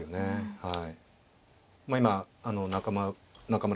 はい。